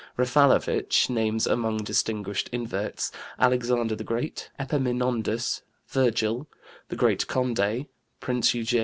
Raffalovich (Uranisme, p. 197) names among distinguished inverts, Alexander the Great, Epaminondas, Virgil, the great Condé, Prince Eugène, etc.